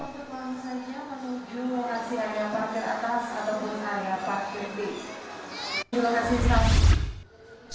jumlah pengunjung yang ada di atas ataupun yang ada di bawah